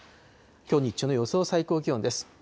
きょう日中の予想最高気温です。